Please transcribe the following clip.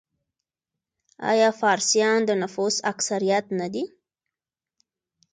آیا فارسیان د نفوس اکثریت نه دي؟